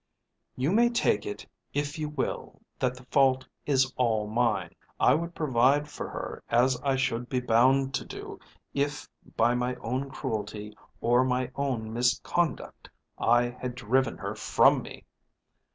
"You may take it if you will that the fault is all mine. I would provide for her as I should be bound to do if by my own cruelty or my own misconduct I had driven her from me!"